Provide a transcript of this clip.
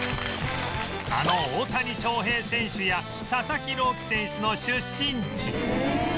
あの大谷翔平選手や佐々木朗希選手の出身地